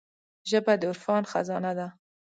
ژبه د عرفان خزانه ده